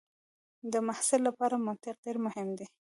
د محصل لپاره منطق ډېر مهم دی.